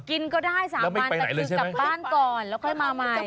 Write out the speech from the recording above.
กินก็ได้๓วันแต่คือกลับบ้านก่อนแล้วค่อยมาใหม่